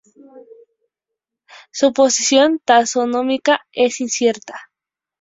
Su posición taxonómica es incierta.